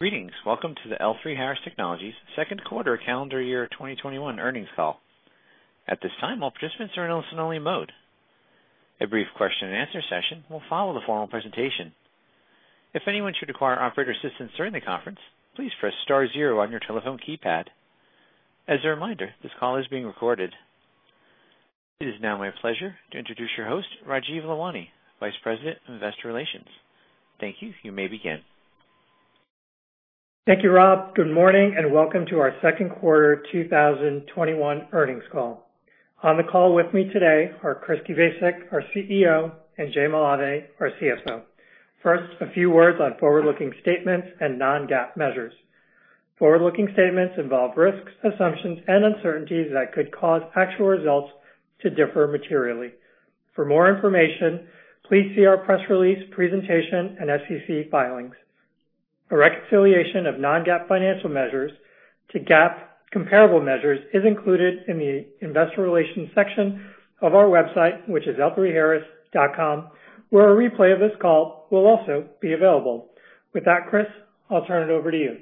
Greetings. Welcome to the L3Harris Technologies second quarter calendar year 2021 earnings call. At this time, all participants are in listen only mode. A brief question and answer session will follow the formal presentation. If anyone should require operator assistance during the conference, please press star 0 on your telephone keypad. As a reminder, this call is being recorded. It is now my pleasure to introduce your host, Rajeev Lalwani, Vice President of Investor Relations. Thank you. You may begin. Thank you, Rob. Good morning and welcome to our second quarter 2021 earnings call. On the call with me today are Christopher E. Kubasik, our CEO, and Jesus Malave, our CFO. First, a few words on forward-looking statements and non-GAAP measures. Forward-looking statements involve risks, assumptions, and uncertainties that could cause actual results to differ materially. For more information, please see our press release, presentation, and SEC filings. A reconciliation of non-GAAP financial measures to GAAP comparable measures is included in the investor relations section of our website, which is l3harris.com, where a replay of this call will also be available. With that, Chris, I'll turn it over to you.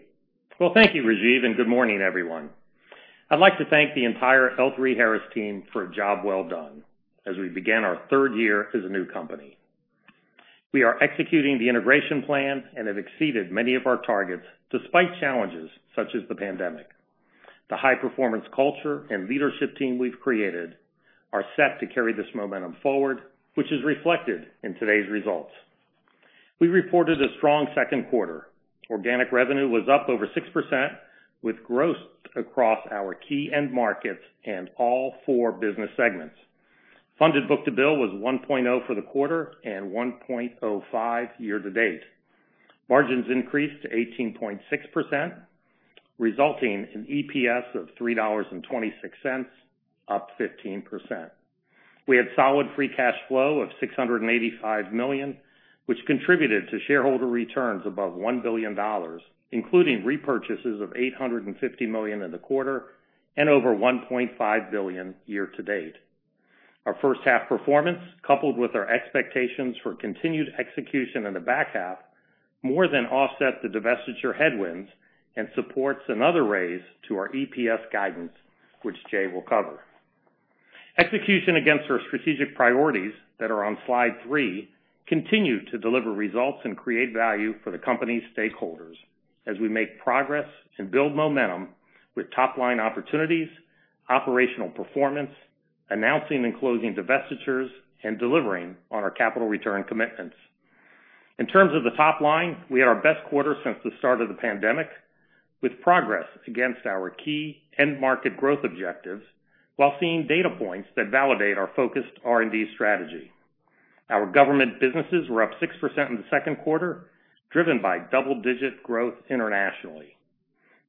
Well, thank you, Rajeev, and good morning, everyone. I'd like to thank the entire L3Harris team for a job well done as we begin our third year as a new company. We are executing the integration plan and have exceeded many of our targets, despite challenges such as the pandemic. The high performance culture and leadership team we've created are set to carry this momentum forward, which is reflected in today's results. We reported a strong second quarter. Organic revenue was up over 6%, with growth across our key end markets and all 4 business segments. Funded book to bill was 1.0 for the quarter and 1.05 year to date. Margins increased to 18.6%, resulting in EPS of $3.26, up 15%. We had solid free cash flow of $685 million, which contributed to shareholder returns above $1 billion, including repurchases of $850 million in the quarter and over $1.5 billion year-to-date. Our first half performance, coupled with our expectations for continued execution in the back half, more than offset the divestiture headwinds and supports another raise to our EPS guidance, which Jay will cover. Execution against our strategic priorities that are on slide three continue to deliver results and create value for the company stakeholders as we make progress and build momentum with top-line opportunities, operational performance, announcing and closing divestitures, and delivering on our capital return commitments. In terms of the top-line, we had our best quarter since the start of the pandemic, with progress against our key end market growth objectives, while seeing data points that validate our focused R&D strategy. Our government businesses were up 6% in the second quarter, driven by double-digit growth internationally.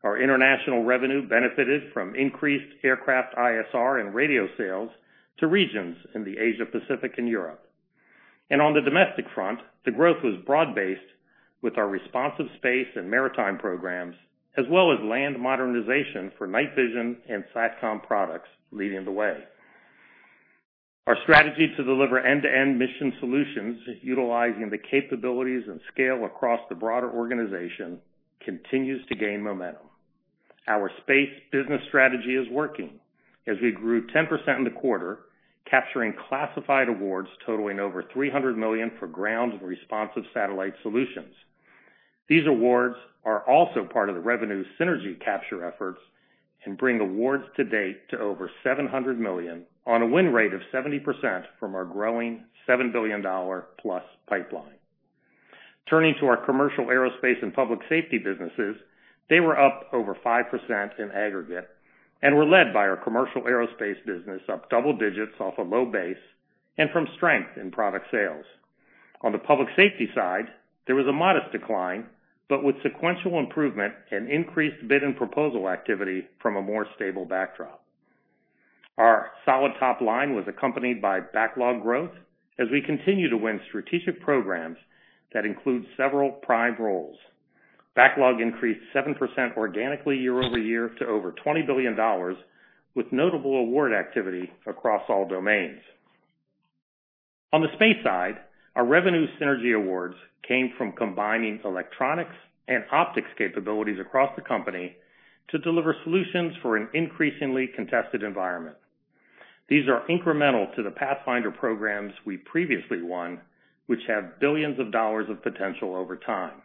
Our international revenue benefited from increased aircraft ISR and radio sales to regions in the Asia Pacific and Europe. On the domestic front, the growth was broad-based with our Responsive Space and maritime programs, as well as Land Modernization for Night Vision and SATCOM products leading the way. Our strategy to deliver end-to-end mission solutions utilizing the capabilities and scale across the broader organization continues to gain momentum. Our space business strategy is working as we grew 10% in the quarter, capturing classified awards totaling over $300 million for ground and responsive satellite solutions. These awards are also part of the revenue synergy capture efforts and bring awards to date to over $700 million on a win rate of 70% from our growing $7 billion-plus pipeline. Turning to our commercial aerospace and public safety businesses, they were up over 5% in aggregate and were led by our commercial aerospace business, up double digits off a low base and from strength in product sales. On the public safety side, there was a modest decline, but with sequential improvement and increased bid and proposal activity from a more stable backdrop. Our solid top line was accompanied by backlog growth as we continue to win strategic programs that include several prime roles. Backlog increased 7% organically year-over-year to over $20 billion with notable award activity across all domains. On the space side, our revenue synergy awards came from combining electronics and optics capabilities across the company to deliver solutions for an increasingly contested environment. These are incremental to the pathfinder programs we previously won, which have billions of dollars of potential over time.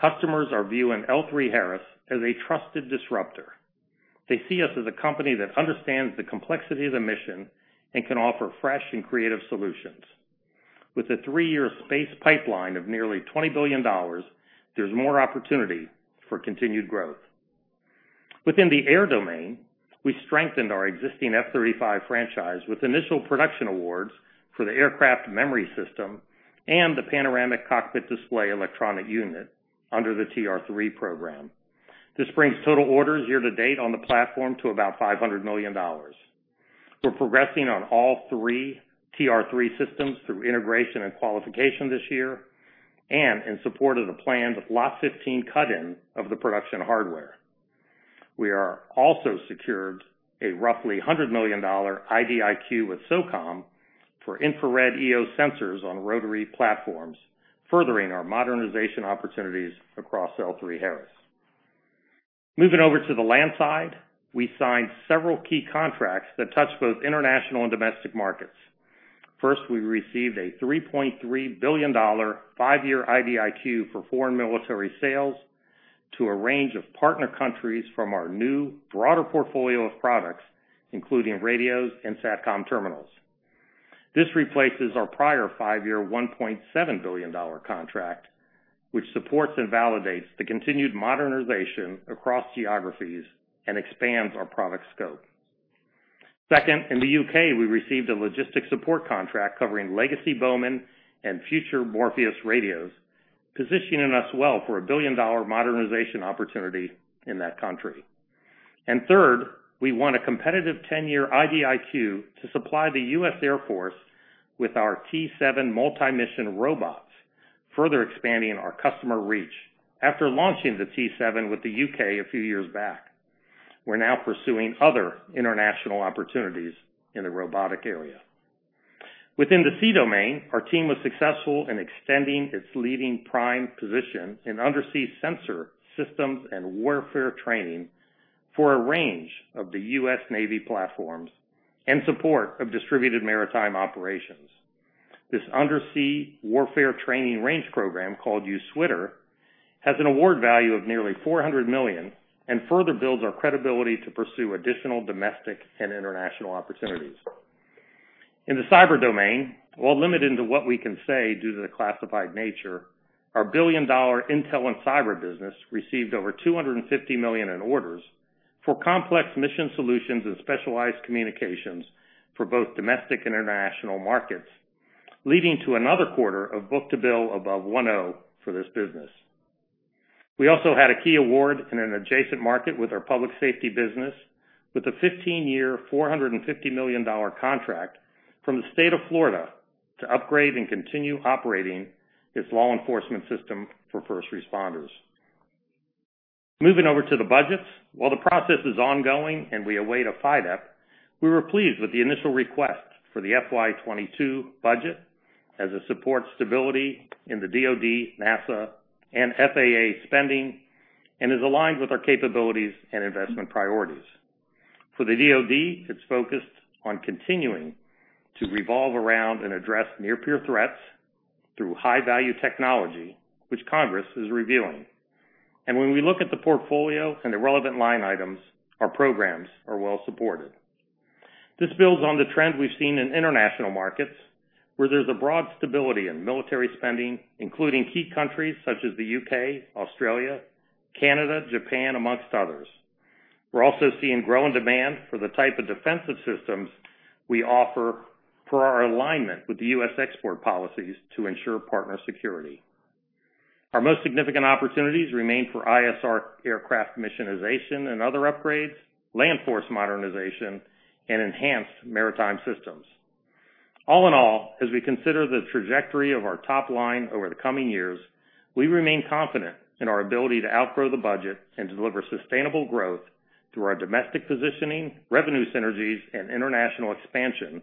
Customers are viewing L3Harris as a trusted disruptor. They see us as a company that understands the complexity of the mission and can offer fresh and creative solutions. With a three-year space pipeline of nearly $20 billion, there's more opportunity for continued growth. Within the air domain, we strengthened our existing F-35 franchise with initial production awards for the aircraft memory system and the panoramic cockpit display electronic unit under the TR-3 program. This brings total orders year to date on the platform to about $500 million. We're progressing on all three TR-3 systems through integration and qualification this year and in support of the planned lot 15 cut-in of the production hardware. We are also secured a roughly $100 million IDIQ with SOCOM for infrared EO sensors on rotary platforms, furthering our modernization opportunities across L3Harris. Moving over to the land side, we signed several key contracts that touch both international and domestic markets. First, we received a $3.3 billion, 5-year IDIQ for foreign military sales to a range of partner countries from our new broader portfolio of products, including radios and SATCOM terminals. This replaces our prior 5-year, $1.7 billion contract, which supports and validates the continued modernization across geographies and expands our product scope. Second, in the U.K., we received a logistics support contract covering legacy Bowman and future Morpheus radios, positioning us well for a billion-dollar modernization opportunity in that country. Third, we won a competitive 10-year IDIQ to supply the U.S. Air Force with our T7 multi-mission robots, further expanding our customer reach. After launching the T7 with the U.K. a few years back, we're now pursuing other international opportunities in the robotic area. Within the sea domain, our team was successful in extending its leading prime position in undersea sensor systems and warfare training for a range of the U.S. Navy platforms in support of distributed maritime operations. This Undersea Warfare Training Range program, called USWTR, has an award value of nearly $400 million and further builds our credibility to pursue additional domestic and international opportunities. In the cyber domain, while limited in what we can say due to the classified nature, our billion-dollar intel and cyber business received over $250 million in orders for complex mission solutions and specialized communications for both domestic and international markets, leading to another quarter of book-to-bill above 1.0 for this business. We also had a key award in an adjacent market with our public safety business with a 15-year, $450 million contract from the state of Florida to upgrade and continue operating its law enforcement system for first responders. Moving over to the budgets. While the process is ongoing and we await a FYDP, we were pleased with the initial request for the FY22 budget as it supports stability in the DoD, NASA, and FAA spending and is aligned with our capabilities and investment priorities. For the DoD, it's focused on continuing to revolve around and address near-peer threats through high-value technology, which Congress is reviewing. When we look at the portfolio and the relevant line items, our programs are well supported. This builds on the trend we've seen in international markets, where there's a broad stability in military spending, including key countries such as the U.K., Australia, Canada, Japan, amongst others. We're also seeing growing demand for the type of defensive systems we offer per our alignment with the U.S. export policies to ensure partner security. Our most significant opportunities remain for ISR aircraft missionization and other upgrades, land force modernization, and enhanced maritime systems. All in all, as we consider the trajectory of our top line over the coming years, we remain confident in our ability to outgrow the budget and deliver sustainable growth through our domestic positioning, revenue synergies, and international expansion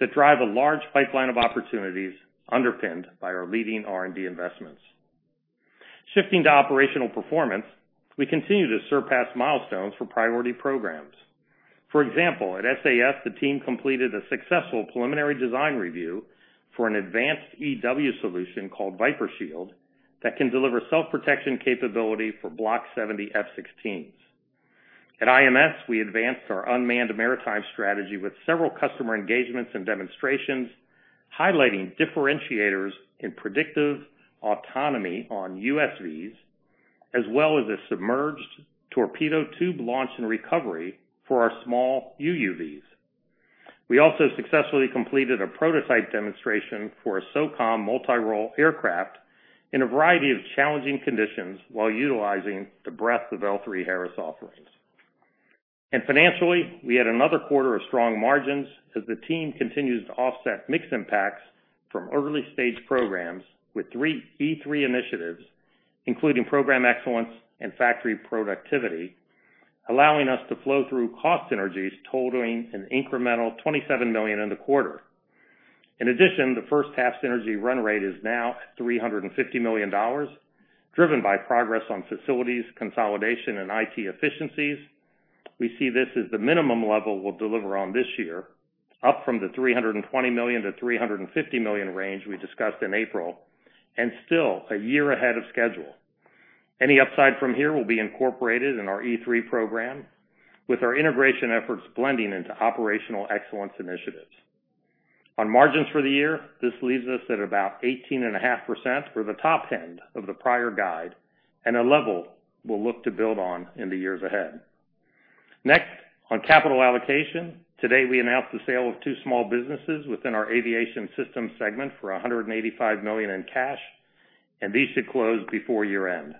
that drive a large pipeline of opportunities underpinned by our leading R&D investments. Shifting to operational performance, we continue to surpass milestones for priority programs. For example, at SAS, the team completed a successful preliminary design review for an advanced EW solution called Viper Shield that can deliver self-protection capability for Block 70 F-16s. At IMS, we advanced our unmanned maritime strategy with several customer engagements and demonstrations, highlighting differentiators in predictive autonomy on USVs, as well as a submerged torpedo tube launch and recovery for our small UUVs. We also successfully completed a prototype demonstration for a SOCOM multi-role aircraft in a variety of challenging conditions while utilizing the breadth of L3Harris offerings. Financially, we had another quarter of strong margins as the team continues to offset mix impacts from early-stage programs with three E3 initiatives, including program excellence and factory productivity, allowing us to flow through cost synergies totaling an incremental $27 million in the quarter. In addition, the first half synergy run rate is now at $350 million, driven by progress on facilities, consolidation, and IT efficiencies. We see this as the minimum level we'll deliver on this year, up from the $320 million-$350 million range we discussed in April, and still a year ahead of schedule. Any upside from here will be incorporated in our E3 program, with our integration efforts blending into operational excellence initiatives. On margins for the year, this leaves us at about 18.5%, or the top end of the prior guide, and a level we'll look to build on in the years ahead. On capital allocation, today, we announced the sale of 2 small businesses within our aviation systems segment for $185 million in cash, and these should close before year-end.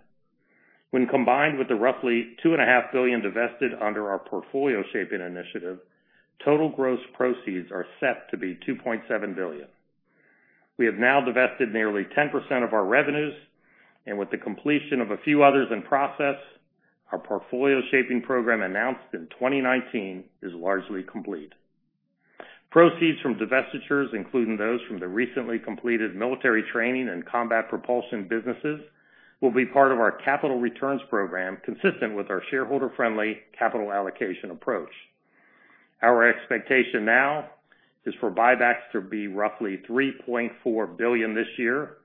When combined with the roughly $2.5 billion divested under our portfolio shaping initiative, total gross proceeds are set to be $2.7 billion. We have now divested nearly 10% of our revenues, and with the completion of a few others in process, our portfolio shaping program announced in 2019 is largely complete. Proceeds from divestitures, including those from the recently completed military training and combat propulsion businesses, will be part of our capital returns program, consistent with our shareholder-friendly capital allocation approach. Our expectation now is for buybacks to be roughly $3.4 billion this year,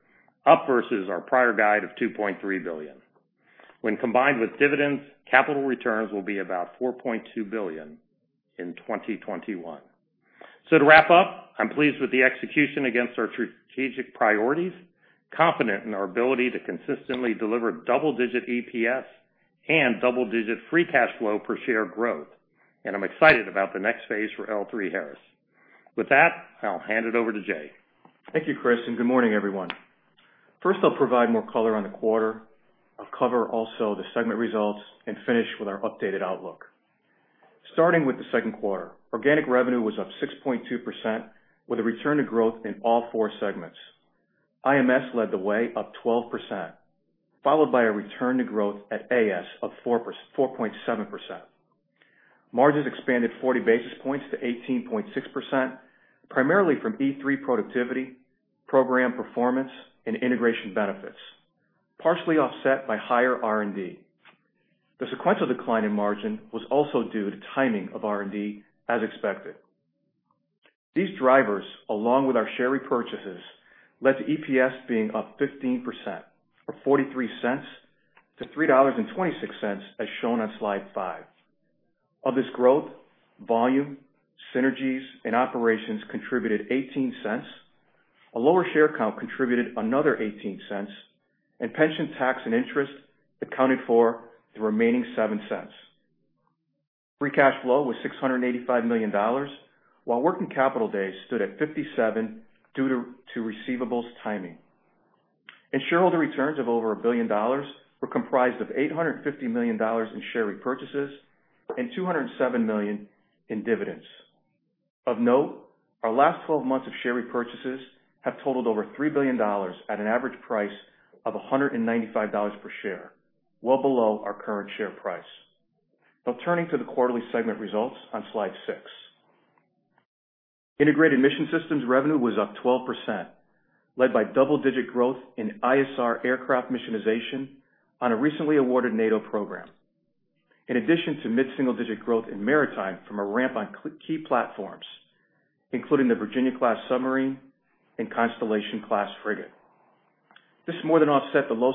up versus our prior guide of $2.3 billion. When combined with dividends, capital returns will be about $4.2 billion in 2021. To wrap up, I'm pleased with the execution against our strategic priorities, confident in our ability to consistently deliver double-digit EPS and double-digit free cash flow per share growth. I'm excited about the next phase for L3Harris. With that, I'll hand it over to Jay. Thank you, Chris, and good morning, everyone. First, I'll provide more color on the quarter. I'll cover also the segment results and finish with our updated outlook. Starting with the second quarter, organic revenue was up 6.2%, with a return to growth in all four segments. IMS led the way, up 12%, followed by a return to growth at AS of 4.7%. Margins expanded 40 basis points to 18.6%, primarily from E3 productivity, program performance, and integration benefits, partially offset by higher R&D. The sequential decline in margin was also due to timing of R&D as expected. These drivers, along with our share repurchases, led to EPS being up 15%, or $0.43 to $3.26 as shown on slide 5. Of this growth, volume, synergies, and operations contributed $0.18, a lower share count contributed another $0.18, and pension tax and interest accounted for the remaining $0.07. Free cash flow was $685 million, while working capital days stood at 57 due to receivables timing. Shareholder returns of over $1 billion were comprised of $850 million in share repurchases and $207 million in dividends. Of note, our last 12 months of share repurchases have totaled over $3 billion at an average price of $195 per share, well below our current share price. Now turning to the quarterly segment results on slide 6. Integrated Mission Systems revenue was up 12%, led by double-digit growth in ISR aircraft missionization on a recently awarded NATO program. In addition to mid-single-digit growth in maritime from a ramp on key platforms, including the Virginia-class submarine and Constellation-class frigate. This more than offset the low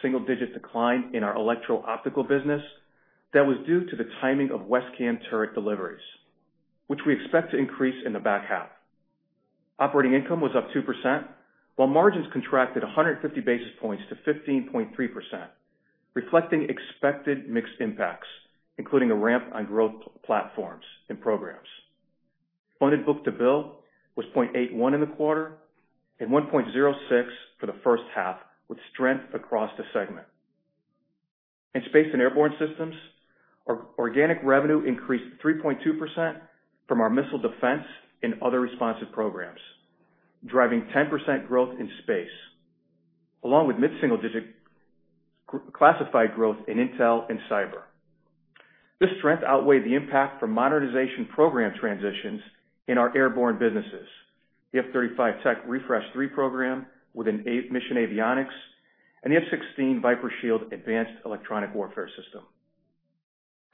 single-digit decline in our electro-optical business that was due to the timing of WESCAM turret deliveries, which we expect to increase in the back half. Operating income was up 2%, while margins contracted 150 basis points to 15.3%, reflecting expected mixed impacts, including a ramp on growth platforms and programs. Funded book-to-bill was 0.81 in the quarter and 1.06 for the first half, with strength across the segment. In Space and Airborne Systems, organic revenue increased 3.2% from our missile defense and other responsive programs, driving 10% growth in space, along with mid-single-digit classified growth in intel and cyber. This strength outweighed the impact from modernization program transitions in our airborne businesses, the F-35 TR-3 program within mission avionics, and the F-16 Viper Shield advanced electronic warfare system.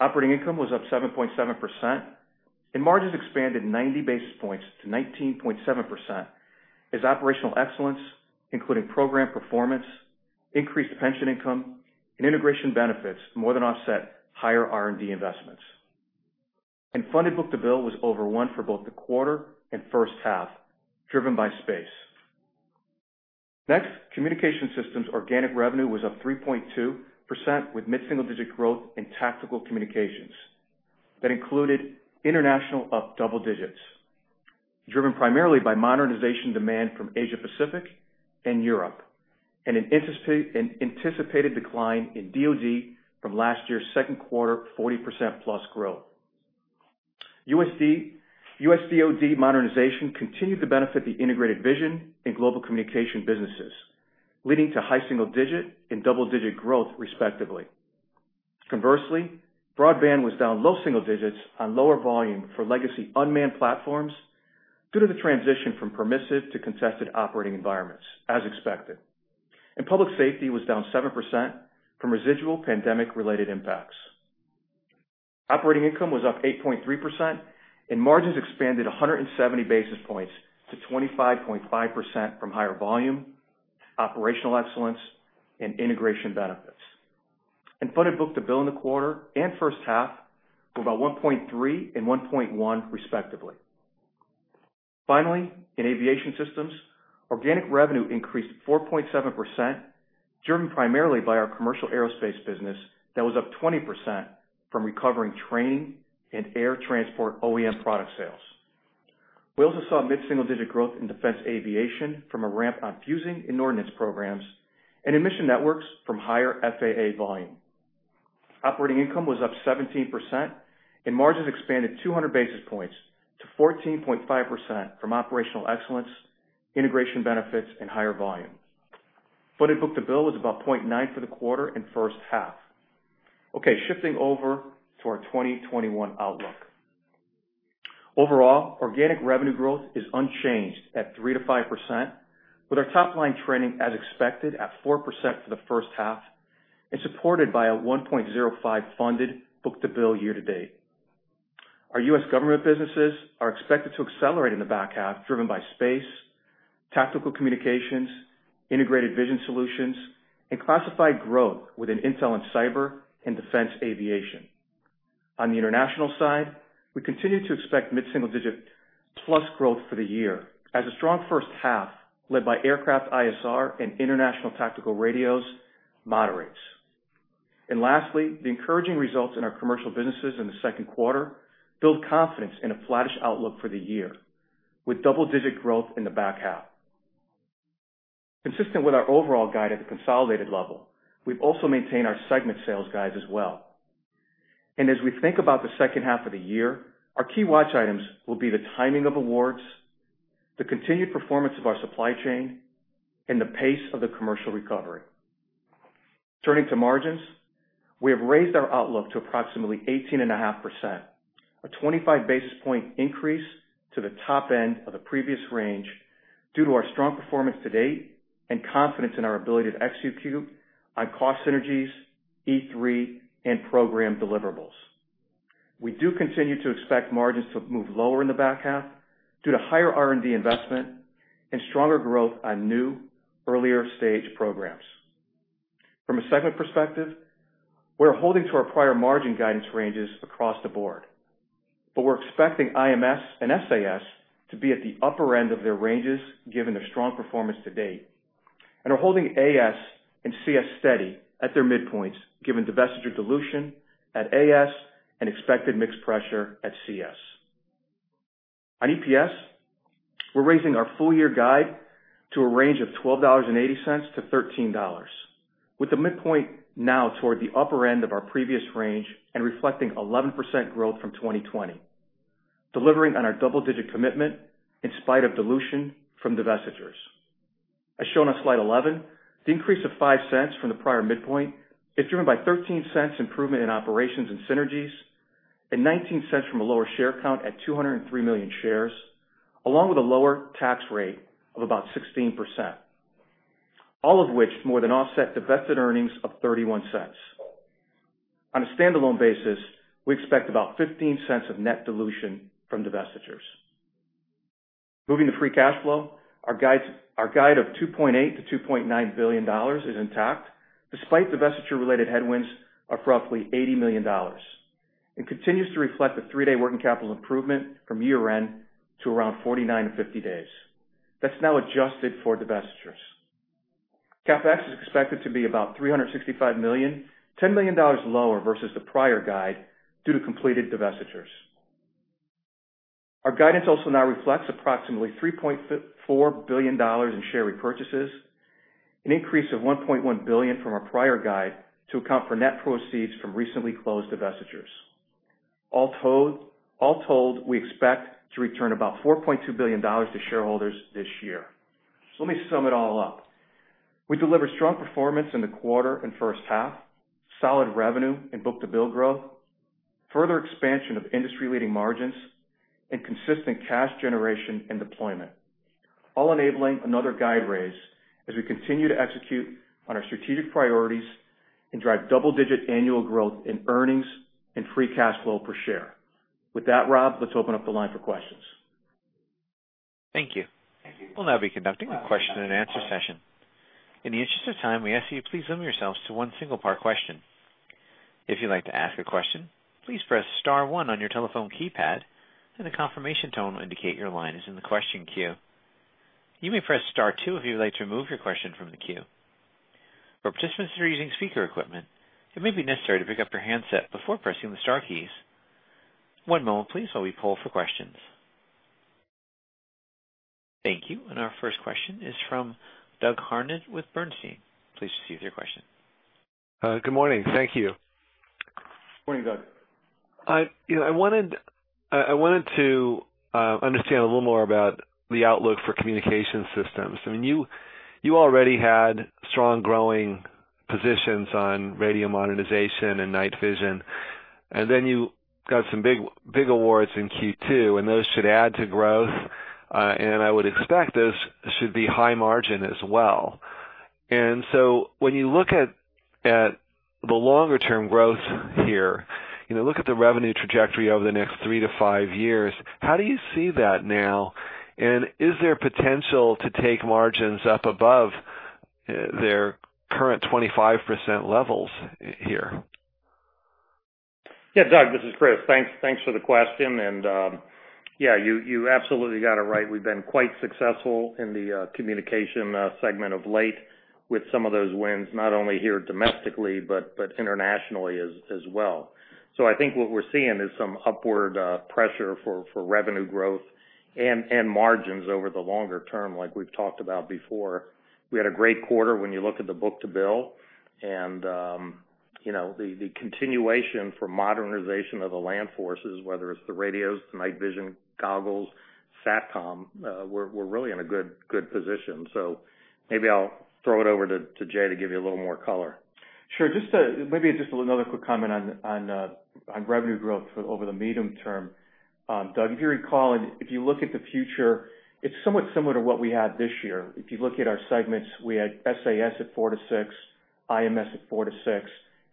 Operating income was up 7.7%, and margins expanded 90 basis points to 19.7% as operational excellence, including program performance, increased pension income, and integration benefits more than offset higher R&D investments. Funded book-to-bill was over 1 for both the quarter and first half, driven by space. Next, communication systems organic revenue was up 3.2%, with mid-single-digit growth in tactical communications that included international up double digits, driven primarily by modernization demand from Asia-Pacific and Europe, and an anticipated decline in DoD from last year's second quarter 40%+ growth. U.S. DoD modernization continued to benefit the integrated vision in global communication businesses, leading to high single-digit and double-digit growth, respectively. Conversely, broadband was down low single digits on lower volume for legacy unmanned platforms due to the transition from permissive to contested operating environments, as expected. Public safety was down 7% from residual pandemic-related impacts. Operating income was up 8.3%, and margins expanded 170 basis points to 25.5% from higher volume, operational excellence, and integration benefits. Funded book-to-bill in the quarter and first half were about 1.3 and 1.1, respectively. Finally, in aviation systems, organic revenue increased 4.7%, driven primarily by our commercial aerospace business that was up 20% from recovering training and air transport OEM product sales. We also saw mid-single-digit growth in defense aviation from a ramp on fusing and ordnance programs, and mission networks from higher FAA volume. Operating income was up 17%, and margins expanded 200 basis points to 14.5% from operational excellence, integration benefits, and higher volume. Funded book-to-bill was about 0.9 for the quarter and first half. Shifting over to our 2021 outlook. Overall, organic revenue growth is unchanged at 3%-5%, with our top-line trending as expected at 4% for the first half and supported by a 1.05 funded book-to-bill year-to-date. Our U.S. government businesses are expected to accelerate in the back half, driven by space, tactical communications, integrated vision solutions, and classified growth within Intel and cyber and defense aviation. On the international side, we continue to expect mid-single-digit plus growth for the year as a strong first half led by aircraft ISR and international tactical radios moderates. Lastly, the encouraging results in our commercial businesses in the second quarter build confidence in a flattish outlook for the year, with double-digit growth in the back half. Consistent with our overall guide at the consolidated level, we've also maintained our segment sales guides as well. As we think about the second half of the year, our key watch items will be the timing of awards, the continued performance of our supply chain, and the pace of the commercial recovery. Turning to margins, we have raised our outlook to approximately 18.5%, a 25 basis point increase to the top end of the previous range due to our strong performance to date and confidence in our ability to execute on cost synergies, E3, and program deliverables. We do continue to expect margins to move lower in the back half due to higher R&D investment and stronger growth on new, earlier-stage programs. From a segment perspective, we're holding to our prior margin guidance ranges across the board, but we're expecting IMS and SAS to be at the upper end of their ranges given their strong performance to date, and are holding AS and CS steady at their midpoints given divestiture dilution at AS and expected mix pressure at CS. On EPS, we're raising our full-year guide to a range of $12.80-$13, with the midpoint now toward the upper end of our previous range and reflecting 11% growth from 2020, delivering on our double-digit commitment in spite of dilution from divestitures. As shown on slide 11, the increase of $0.05 from the prior midpoint is driven by $0.13 improvement in operations and synergies and $0.19 from a lower share count at 203 million shares, along with a lower tax rate of about 16%. All of which more than offset divested earnings of $0.31. On a standalone basis, we expect about $0.15 of net dilution from divestitures. Moving to free cash flow, our guide of $2.8 billion-$2.9 billion is intact despite divestiture-related headwinds of roughly $80 million and continues to reflect the 3-day working capital improvement from year-end to around 49 to 50 days. That's now adjusted for divestitures. CapEx is expected to be about $365 million, $10 million lower versus the prior guide due to completed divestitures. Our guidance also now reflects approximately $3.4 billion in share repurchases, an increase of $1.1 billion from our prior guide to account for net proceeds from recently closed divestitures. All told, we expect to return about $4.2 billion to shareholders this year. Let me sum it all up. We delivered strong performance in the quarter and first half, solid revenue and book-to-bill growth, further expansion of industry-leading margins, and consistent cash generation and deployment, all enabling another guide raise as we continue to execute on our strategic priorities and drive double-digit annual growth in earnings and free cash flow per share. With that, Rob, let's open up the line for questions. Thank you. We'll now be conducting a question and answer session. In the interest of time, we ask that you please limit yourselves to one single-part question. If you'd like to ask a question, please press *1 on your telephone keypad and a confirmation tone will indicate your line is in the question queue. You may press *2 if you would like to remove your question from the queue. For participants who are using speaker equipment, it may be necessary to pick up your handset before pressing the star keys. One moment please while we poll for questions. Thank you. Our first question is from Douglas Harned with Bernstein. Please proceed with your question. Good morning. Thank you. Morning, Doug. I wanted to understand a little more about the outlook for communication systems. You already had strong growing positions on radio modernization and night vision, you got some big awards in Q2, and those should add to growth, and I would expect those should be high margin as well. When you look at the longer-term growth here, look at the revenue trajectory over the next 3-5 years, how do you see that now? Is there potential to take margins up above their current 25% levels here? Yeah, Doug, this is Chris. Thanks for the question. Yeah, you absolutely got it right. We've been quite successful in the communication segment of late with some of those wins, not only here domestically, but internationally as well. I think what we're seeing is some upward pressure for revenue growth and margins over the longer term like we've talked about before. We had a great quarter when you look at the book-to-bill, and The continuation for modernization of the land forces, whether it's the radios, the night vision goggles, SATCOM, we're really in a good position. Maybe I'll throw it over to Jay to give you a little more color. Sure. Maybe just another quick comment on revenue growth over the medium term. Doug, if you recall, if you look at the future, it's somewhat similar to what we had this year. If you look at our segments, we had SAS at 4% to 6%, IMS at 4% to 6%,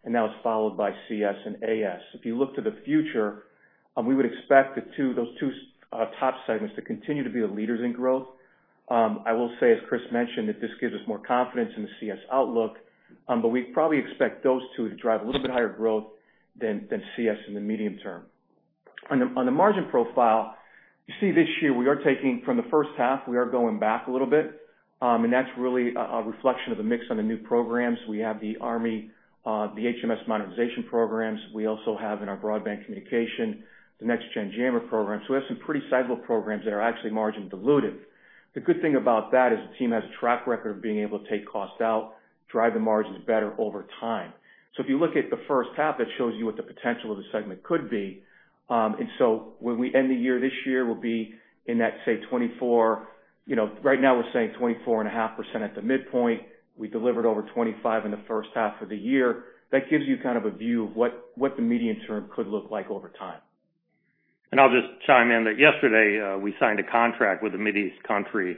now it's followed by CS and AS. If you look to the future, we would expect those two top segments to continue to be the leaders in growth. I will say, as Chris mentioned, that this gives us more confidence in the CS outlook. We probably expect those two to drive a little bit higher growth than CS in the medium term. On the margin profile, you see this year, from the first half, we are going back a little bit. That's really a reflection of the mix on the new programs. We have the Army, the HMS modernization programs. We also have in our broadband communication, the Next Gen Jammer program. We have some pretty sizable programs that are actually margin dilutive. The good thing about that is the team has a track record of being able to take costs out, drive the margins better over time. If you look at the first half, that shows you what the potential of the segment could be. When we end the year this year, we'll be in that, right now we're saying 24.5% at the midpoint. We delivered over 25 in the first half of the year. That gives you kind of a view of what the medium term could look like over time. I'll just chime in that yesterday, we signed a contract with a Mid East country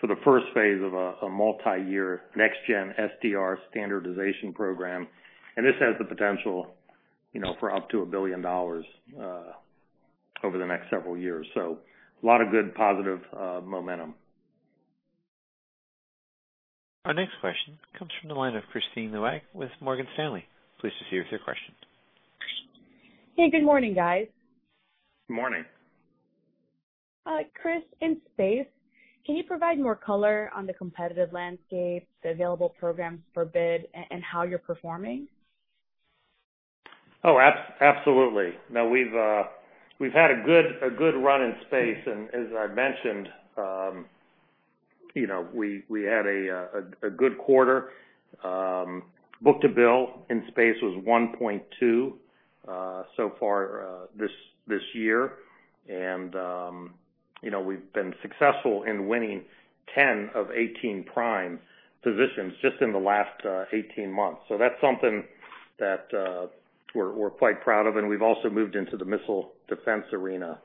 for the first phase of a multi-year Next Gen SDR Standardization Program. This has the potential for up to $1 billion over the next several years. A lot of good positive momentum. Our next question comes from the line of Kristine Liwag with Morgan Stanley. Please proceed with your question. Hey, good morning, guys. Morning. Chris, in space, can you provide more color on the competitive landscape, the available programs for bid, and how you're performing? Oh, absolutely. No, we've had a good run in space. As I mentioned, we had a good quarter. Book to bill in space was 1.2 so far this year. We've been successful in winning 10 of 18 prime positions just in the last 18 months. That's something that we're quite proud of. We've also moved into the missile defense arena.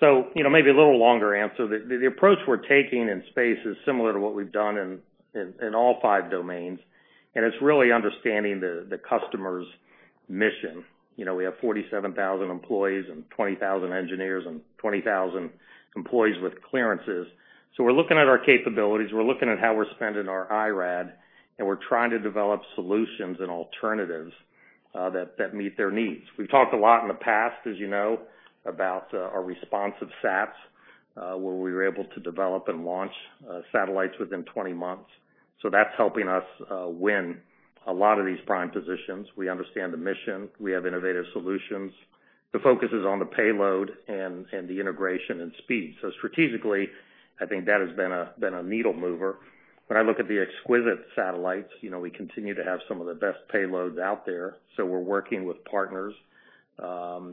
Maybe a little longer answer. The approach we're taking in space is similar to what we've done in all five domains, and it's really understanding the customer's mission. We have 47,000 employees and 20,000 engineers and 20,000 employees with clearances. We're looking at our capabilities, we're looking at how we're spending our IRAD, and we're trying to develop solutions and alternatives that meet their needs. We've talked a lot in the past, as you know, about our responsive sats, where we were able to develop and launch satellites within 20 months. That's helping us win a lot of these prime positions. We understand the mission. We have innovative solutions. The focus is on the payload and the integration and speed. Strategically, I think that has been a needle mover. When I look at the exquisite satellites, we continue to have some of the best payloads out there. We're working with partners,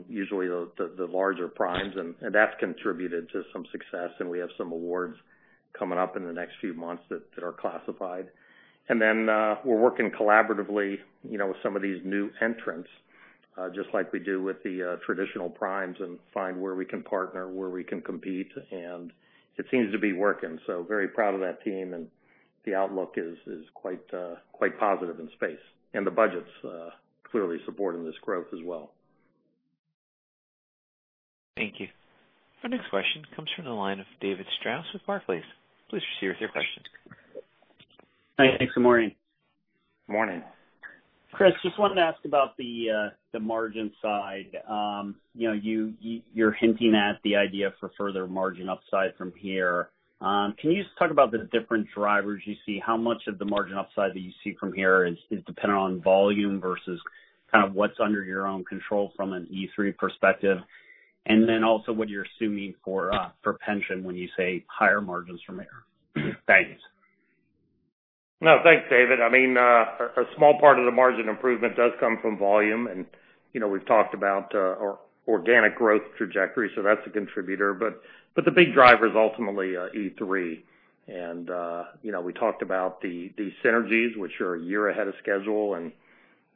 usually the larger primes, and that's contributed to some success and we have some awards coming up in the next few months that are classified. We're working collaboratively with some of these new entrants, just like we do with the traditional primes and find where we can partner, where we can compete, and it seems to be working. Very proud of that team, and the outlook is quite positive in space. The budget's clearly supporting this growth as well. Thank you. Our next question comes from the line of David Strauss with Barclays. Please proceed with your question. Hi. Thanks, good morning. Morning. Chris, just wanted to ask about the margin side. You're hinting at the idea for further margin upside from here. Can you just talk about the different drivers you see, how much of the margin upside that you see from here is dependent on volume versus kind of what's under your own control from an E3 perspective, also what you're assuming for pension when you say higher margins from there? Thanks. No, thanks, David Strauss. A small part of the margin improvement does come from volume. We've talked about our organic growth trajectory, so that's a contributor. The big driver is ultimately E3. We talked about the synergies, which are one year ahead of schedule, and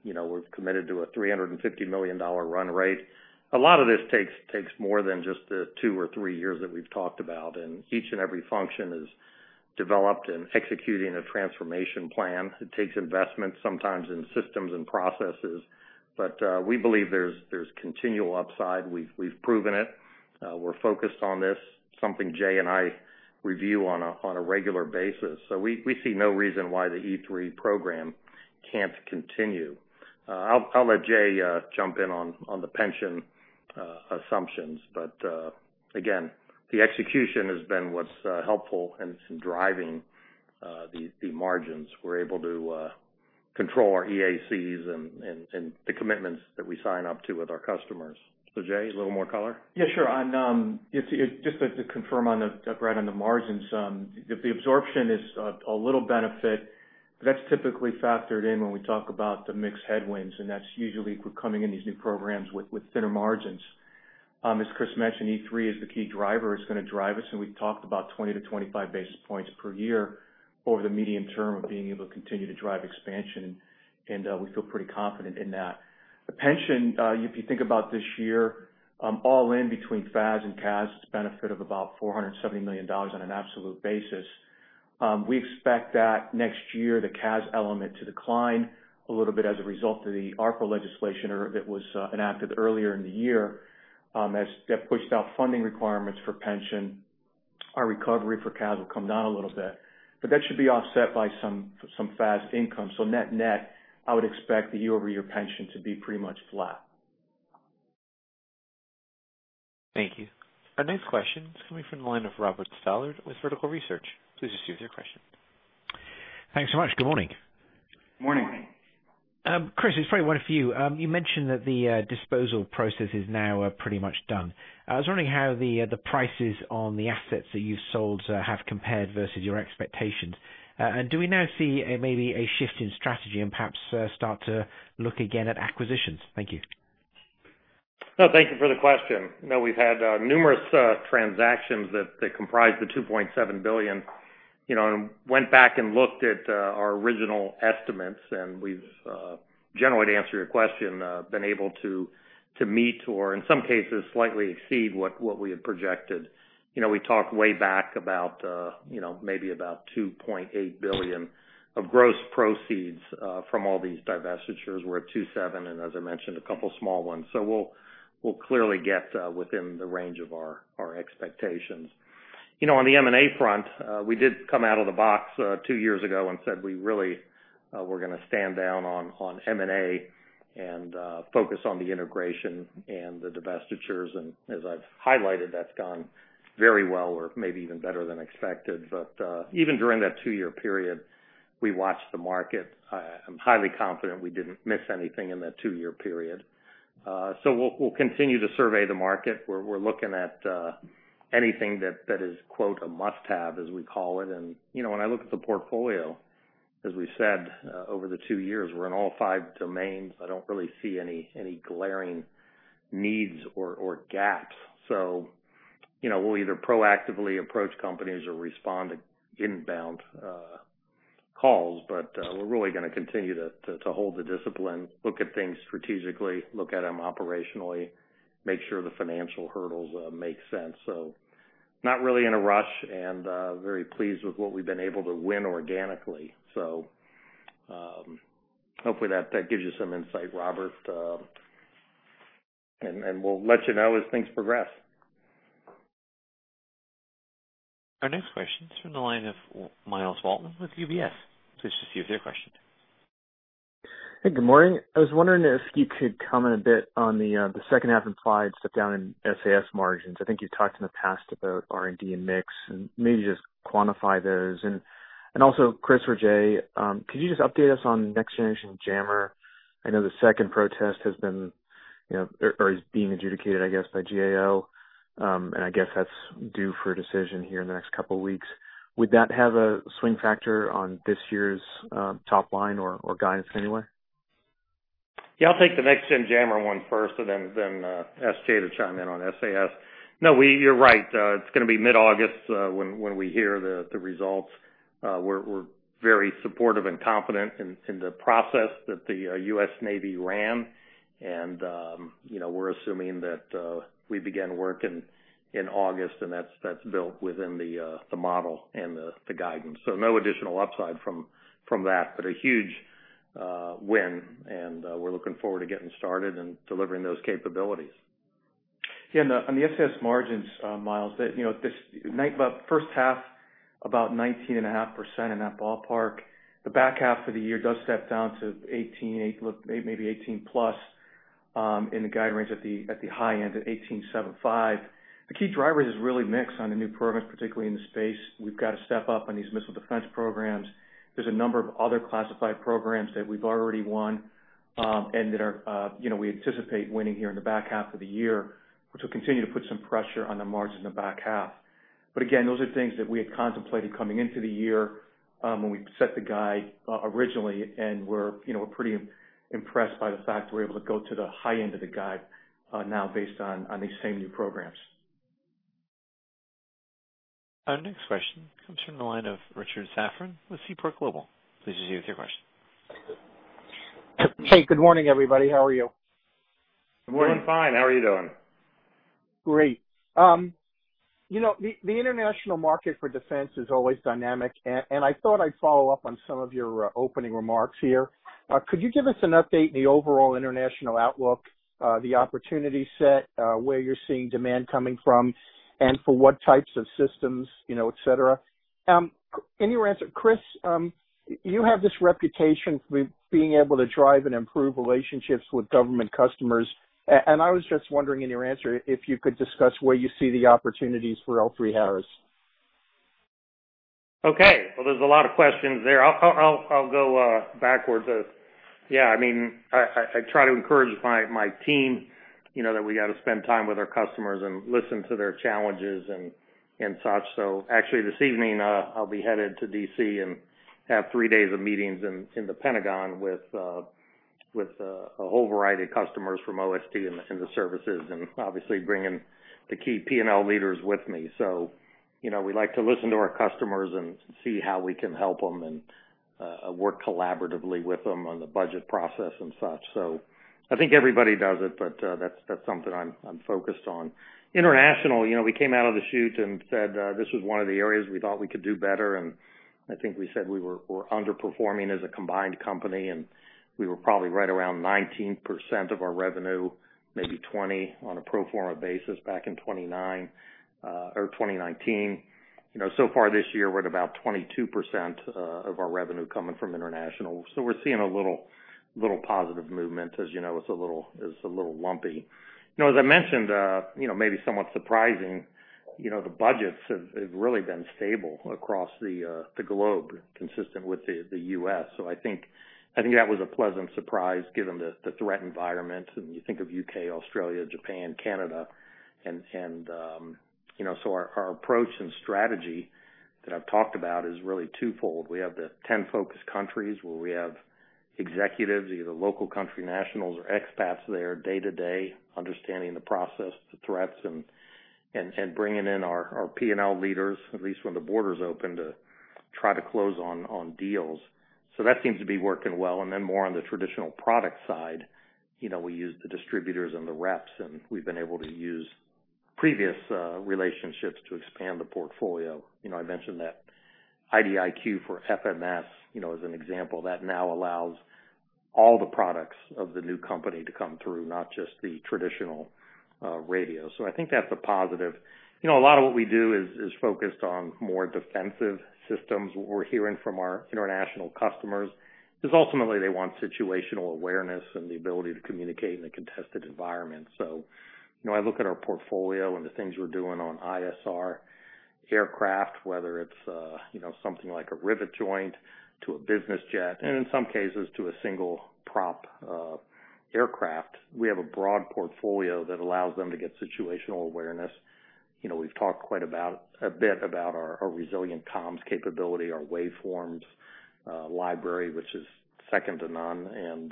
we're committed to a $350 million run rate. A lot of this takes more than just the two or three years that we've talked about, and each and every function is developed and executing a transformation plan. It takes investment sometimes in systems and processes. We believe there's continual upside. We've proven it. We're focused on this, something Jesus Malave and I review on a regular basis. We see no reason why the E3 program can't continue. I'll let Jesus Malave jump in on the pension assumptions. Again, the execution has been what's helpful and it's driving the margins. We're able to control our EACs and the commitments that we sign up to with our customers. Jay, a little more color? Yeah, sure. Just to confirm on that, Doug, right on the margins. The absorption is a little benefit, but that's typically factored in when we talk about the mix headwinds, and that's usually coming in these new programs with thinner margins. As Chris mentioned, E3 is the key driver. It's going to drive us, we've talked about 20-25 basis points per year over the medium term of being able to continue to drive expansion. We feel pretty confident in that. The pension, if you think about this year, all in between FAS and CAS, it's a benefit of about $470 million on an absolute basis. We expect that next year, the CAS element to decline a little bit as a result of the ARPA legislation that was enacted earlier in the year. As that pushed out funding requirements for pension, our recovery for CAS will come down a little bit. That should be offset by some FAS income. Net-net, I would expect the year-over-year pension to be pretty much flat. Thank you. Our next question is coming from the line of Robert Stallard with Vertical Research. Please proceed with your question. Thanks so much. Good morning. Morning. Chris, it's probably one for you. You mentioned that the disposal process is now pretty much done. I was wondering how the prices on the assets that you've sold have compared versus your expectations. Do we now see maybe a shift in strategy and perhaps start to look again at acquisitions? Thank you. No, thank you for the question. No, we've had numerous transactions that comprise the $2.7 billion. Went back and looked at our original estimates, we've, generally, to answer your question, been able to meet or in some cases slightly exceed what we had projected. We talked way back about maybe about $2.8 billion of gross proceeds from all these divestitures. We're at $2.7, as I mentioned, a couple small ones. We'll clearly get within the range of our expectations. On the M&A front, we did come out of the box two years ago and said we really were going to stand down on M&A and focus on the integration and the divestitures. As I've highlighted, that's gone very well or maybe even better than expected. Even during that 2-year period, we watched the market. I'm highly confident we didn't miss anything in that 2-year period. We'll continue to survey the market. We're looking at anything that is, quote, "a must-have," as we call it. When I look at the portfolio, as we've said, over the two years, we're in all 5 domains. I don't really see any glaring needs or gaps. We'll either proactively approach companies or respond to inbound calls. We're really going to continue to hold the discipline, look at things strategically, look at them operationally, make sure the financial hurdles make sense. Not really in a rush and very pleased with what we've been able to win organically. Hopefully, that gives you some insight, Robert. We'll let you know as things progress. Our next question is from the line of Myles Walton with UBS. Please proceed with your question. Hey, good morning. I was wondering if you could comment a bit on the second half implied step down in SAS margins. I think you talked in the past about R&D and mix, and maybe just quantify those. Also, Chris or Jay, could you just update us on Next Generation Jammer? I know the second protest has been, or is being adjudicated, I guess, by GAO. I guess that's due for a decision here in the next couple of weeks. Would that have a swing factor on this year's top line or guidance in any way? I'll take the Next Generation Jammer one first and then ask Jay to chime in on SAS. You're right. It's going to be mid-August when we hear the results. We're very supportive and confident in the process that the U.S. Navy ran. We're assuming that we begin work in August, and that's built within the model and the guidance. No additional upside from that, but a huge win. We're looking forward to getting started and delivering those capabilities. On the SAS margins, Myles, first half, about 19.5% in that ballpark. The back half of the year does step down to 18%, maybe 18%+ in the guide range at the high end at 18.75%. The key driver is really mix on the new programs, particularly in the space. We've got to step up on these missile defense programs. There's a number of other classified programs that we've already won, and that we anticipate winning here in the back half of the year, which will continue to put some pressure on the margin in the back half. Again, those are things that we had contemplated coming into the year when we set the guide originally, and we're pretty impressed by the fact that we're able to go to the high end of the guide now based on these same new programs. Our next question comes from the line of Richard Safran with Seaport Global. Please proceed with your question. Hey, good morning, everybody. How are you? Good morning. Doing fine. How are you doing? Great. The international market for defense is always dynamic. I thought I'd follow up on some of your opening remarks here. Could you give us an update on the overall international outlook, the opportunity set, where you're seeing demand coming from, and for what types of systems, et cetera? Chris, you have this reputation for being able to drive and improve relationships with government customers. I was just wondering in your answer, if you could discuss where you see the opportunities for L3Harris. Okay. Well, there's a lot of questions there. I'll go backwards. Yeah, I try to encourage my team that we got to spend time with our customers and listen to their challenges and such. Actually, this evening, I'll be headed to D.C. and have three days of meetings in The Pentagon with. With a whole variety of customers from OSD and the services, and obviously bringing the key P&L leaders with me. We like to listen to our customers and see how we can help them and work collaboratively with them on the budget process and such. I think everybody does it, but that's something I'm focused on. International, we came out of the chute and said, this was one of the areas we thought we could do better in. I think we said we were underperforming as a combined company, and we were probably right around 19% of our revenue, maybe 20, on a pro forma basis back in 2019. Far this year, we're at about 22% of our revenue coming from international. We're seeing a little positive movement. As you know, it's a little lumpy. As I mentioned, maybe somewhat surprising, the budgets have really been stable across the globe, consistent with the U.S. I think that was a pleasant surprise given the threat environment. You think of U.K., Australia, Japan, Canada. Our approach and strategy that I've talked about is really twofold. We have the 11 focused countries where we have executives, either local country nationals or expats there day to day, understanding the process, the threats, and bringing in our P&L leaders, at least when the border's open, to try to close on deals. That seems to be working well. More on the traditional product side, we use the distributors and the reps, and we've been able to use previous relationships to expand the portfolio. I mentioned that IDIQ for FMS as an example. That now allows all the products of the new company to come through, not just the traditional radio. I think that's a positive. A lot of what we do is focused on more defensive systems. What we're hearing from our international customers is ultimately they want situational awareness and the ability to communicate in a contested environment. I look at our portfolio and the things we're doing on ISR aircraft, whether it's something like a Rivet Joint to a business jet, and in some cases to a single-prop aircraft. We have a broad portfolio that allows them to get situational awareness. We've talked quite a bit about our resilient comms capability, our waveforms library, which is second to none.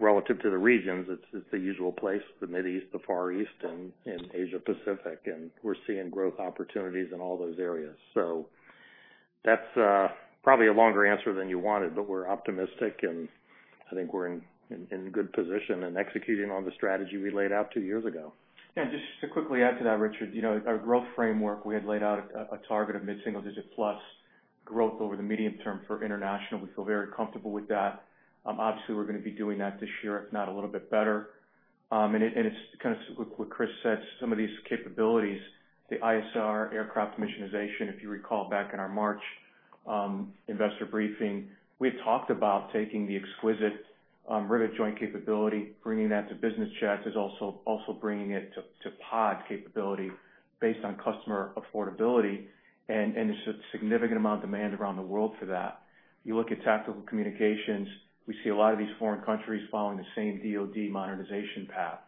Relative to the regions, it's the usual place, the Mid East, the Far East, and Asia Pacific, and we're seeing growth opportunities in all those areas. That's probably a longer answer than you wanted, but we're optimistic, and I think we're in a good position and executing on the strategy we laid out two years ago. Yeah, just to quickly add to that, Richard. Our growth framework, we had laid out a target of mid-single digit plus growth over the medium term for international. We feel very comfortable with that. Obviously, we're going to be doing that this year, if not a little bit better. It's kind of what Chris said, some of these capabilities, the ISR aircraft missionization. If you recall back in our March investor briefing, we had talked about taking the exquisite Rivet Joint capability, bringing that to business jets. There's also bringing it to pod capability based on customer affordability, and there's a significant amount of demand around the world for that. You look at tactical communications, we see a lot of these foreign countries following the same DoD modernization path.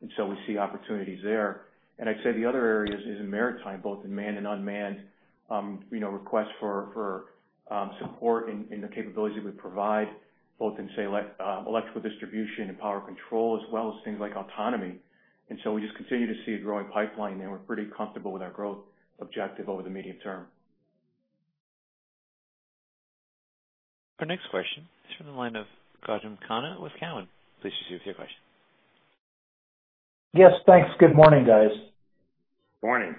We see opportunities there. I'd say the other area is in maritime, both in manned and unmanned requests for support in the capabilities we provide, both in, say, electrical distribution and power control, as well as things like autonomy. We just continue to see a growing pipeline there. We're pretty comfortable with our growth objective over the medium term. Our next question is from the line of Gautam Khanna with Cowen. Please proceed with your question. Yes, thanks. Good morning, guys. Morning.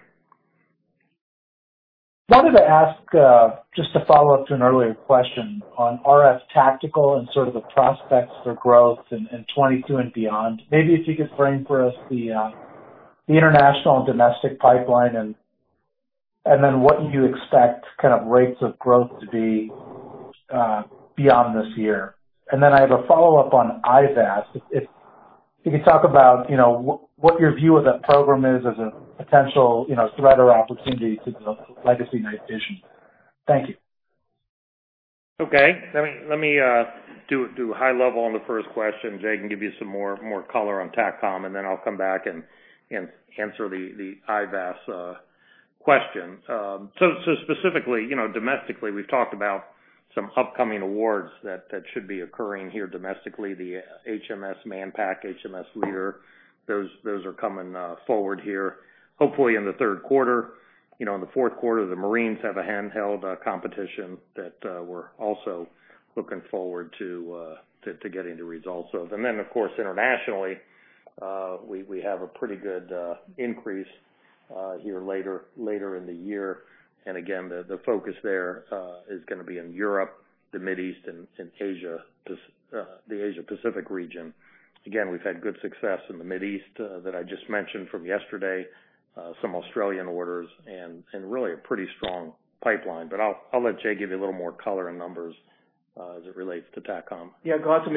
Wanted to ask, just to follow up to an earlier question on RF tactical and sort of the prospects for growth in 2022 and beyond. Maybe if you could frame for us the international and domestic pipeline and then what you expect kind of rates of growth to be beyond this year? I have a follow-up on IVAS. If you could talk about what your view of that program is as a potential threat or opportunity to the legacy night vision? Thank you. Okay. Let me do high level on the first question. Jay can give you some more color on TACCOM, then I'll come back and answer the IVAS question. Specifically, domestically, we've talked about some upcoming awards that should be occurring here domestically. The HMS Manpack, HMS Leader, those are coming forward here, hopefully in the third quarter. In the fourth quarter, the Marines have a handheld competition that we're also looking forward to getting the results of. Of course, internationally, we have a pretty good increase here later in the year. Again, the focus there is going to be in Europe, the Mid East, and the Asia Pacific region. Again, we've had good success in the Mid East that I just mentioned from yesterday, some Australian orders, and really a pretty strong pipeline. I'll let Jay give you a little more color and numbers as it relates to TACCOM. Yeah, Gautam,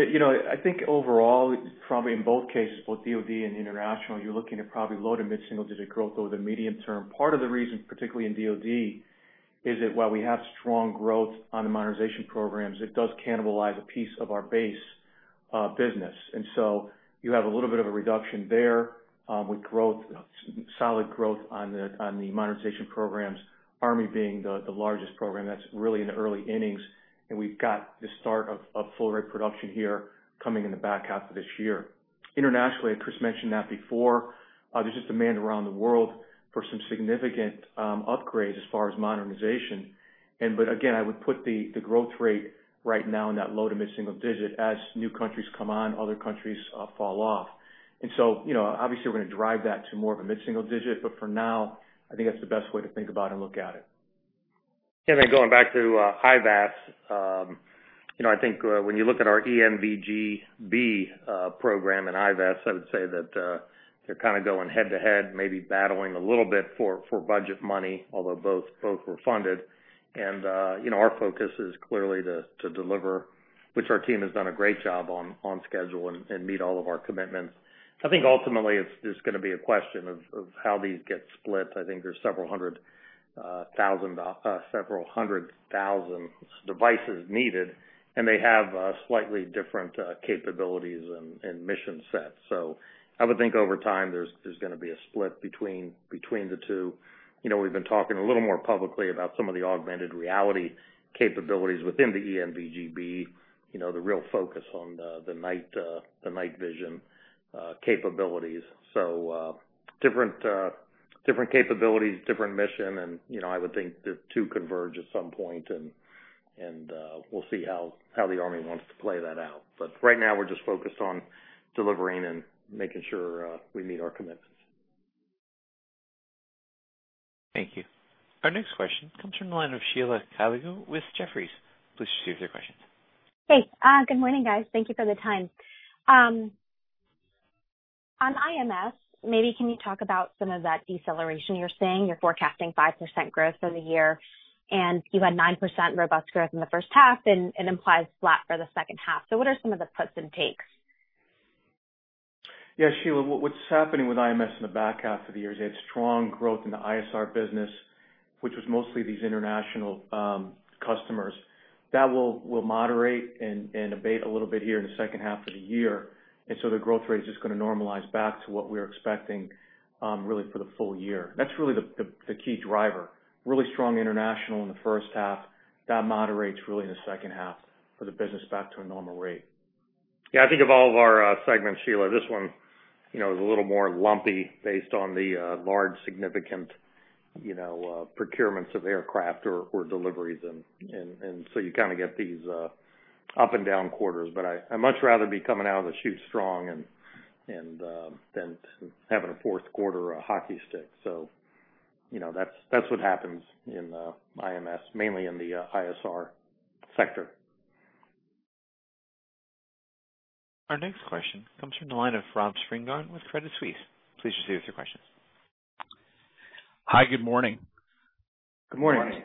I think overall, probably in both cases, both DoD and international, you're looking at probably low- to mid-single-digit growth over the medium term. Part of the reason, particularly in DoD, is that while we have strong growth on the modernization programs, it does cannibalize a piece of our base business. You have a little bit of a reduction there with solid growth on the modernization programs, U.S. Army being the largest program. That's really in the early innings, and we've got the start of full-rate production here coming in the back half of this year. Internationally, Chris mentioned that before, there's just demand around the world for some significant upgrades as far as modernization. Again, I would put the growth rate right now in that low to mid-single-digit. As new countries come on, other countries fall off. Obviously, we're going to drive that to more of a mid-single digit. For now, I think that's the best way to think about and look at it. Going back to IVAS. I think when you look at our ENVG-B program in IVAS, I would say that they're kind of going head-to-head, maybe battling a little bit for budget money, although both were funded. Our focus is clearly to deliver, which our team has done a great job on schedule and meet all of our commitments. I think ultimately it's just going to be a question of how these get split. I think there's several hundred thousand devices needed, and they have slightly different capabilities and mission sets. I would think over time, there's going to be a split between the two. We've been talking a little more publicly about some of the augmented reality capabilities within the ENVG-B. The real focus on the night vision capabilities. Different capabilities, different mission, and I would think the two converge at some point, and we'll see how the Army wants to play that out. Right now, we're just focused on delivering and making sure we meet our commitments. Thank you. Our next question comes from the line of Sheila Kahyaoglu with Jefferies. Please proceed with your question. Hey, good morning, guys. Thank you for the time. On IMS, maybe can you talk about some of that deceleration you're seeing? You're forecasting 5% growth for the year, and you had 9% robust growth in the first half, and it implies flat for the second half. What are some of the puts and takes? Yeah, Sheila, what's happening with IMS in the back half of the year is they had strong growth in the ISR business, which was mostly these international customers. That will moderate and abate a little bit here in the second half of the year. The growth rate is just going to normalize back to what we're expecting, really for the full year. That's really the key driver. Really strong international in the first half. That moderates, really, in the second half for the business back to a normal rate. Yeah, I think of all of our segments, Sheila, this one is a little more lumpy based on the large, significant procurements of aircraft or deliveries. You kind of get these up and down quarters, but I much rather be coming out of the chute strong and then having a fourth quarter hockey stick. That's what happens in the IMS, mainly in the ISR sector. Our next question comes from the line of Robert Spingarn with Credit Suisse. Please proceed with your question. Hi, good morning. Good morning. Good morning.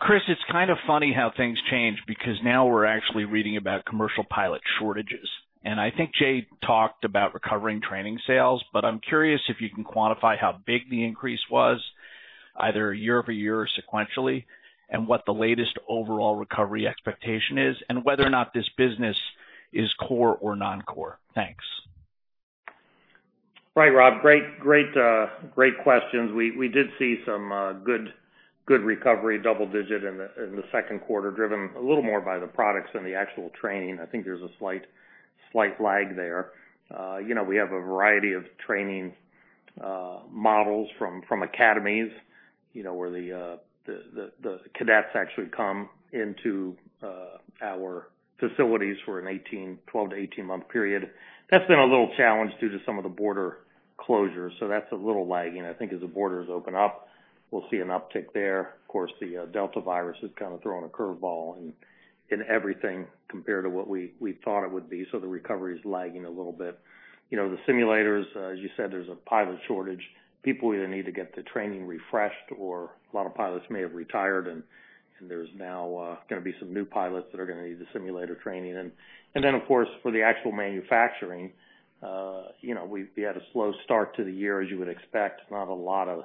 Chris, it's kind of funny how things change, because now we're actually reading about commercial pilot shortages, and I think Jay talked about recovering training sales, but I'm curious if you can quantify how big the increase was, either year-over-year or sequentially, and what the latest overall recovery expectation is, and whether or not this business is core or non-core. Thanks. Right, Rob. Great questions. We did see some good recovery, double-digit in the second quarter, driven a little more by the products than the actual training. I think there's a slight lag there. We have a variety of training models from academies, where the cadets actually come into our facilities for a 12- to 18-month period. That's been a little challenged due to some of the border closures, so that's a little lagging. I think as the borders open up, we'll see an uptick there. Of course, the Delta has kind of thrown a curveball in everything compared to what we thought it would be, so the recovery is lagging a little bit. The simulators, as you said, there's a pilot shortage. People either need to get the training refreshed or a lot of pilots may have retired, and there's now going to be some new pilots that are going to need the simulator training. Of course, for the actual manufacturing, we had a slow start to the year, as you would expect. Not a lot of